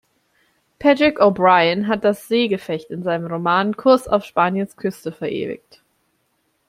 Patrick O’Brian hat das Seegefecht in seinem Roman Kurs auf Spaniens Küste verewigt.